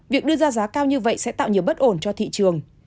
việc đưa ra giá cao như vậy sẽ tạo nhiều bất ổn cho thị trường